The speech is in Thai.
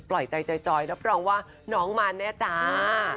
ปล่อยใจแล้วปล่อยว่าน้องมันเนี่ยจ้า